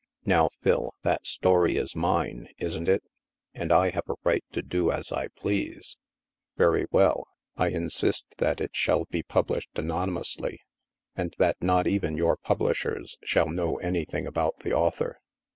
" Now, Phil, that story is mine, isn't it ? And I have a right to do as I please ? Very well ! I in sist that it shall be published anonymously and that not even your publishers shall know anything about the author.